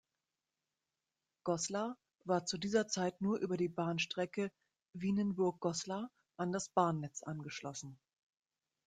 Goslar war zu dieser Zeit nur über die Bahnstrecke Vienenburg–Goslar an das Bahnnetz angeschlossen.